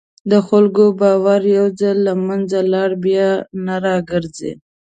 د خلکو باور یو ځل له منځه لاړ، بیا نه راګرځي.